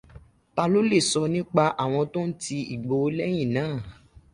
Ta ló lè sọ nípa àwọn tó ń ti Ìgbòho lẹ́yìn na?